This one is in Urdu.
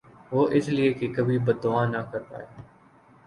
وُہ اس لئے کہ کبھی بد دُعا نہ کر پایا